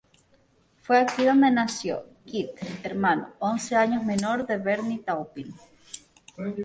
Fue aquí donde nació, Kit, hermano, once años menor, de Bernie Taupin.